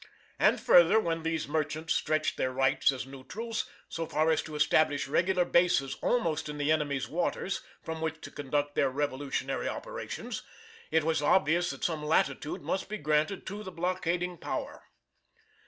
And further, when these merchants stretched their rights as neutrals so far as to establish regular bases almost in the enemy's waters from which to conduct their revolutionary operations, it was obvious that some latitude must be granted to the blockading power.